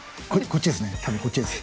こっちですね多分こっちです。